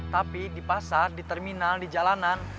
tapi di pasar di terminal di jalanan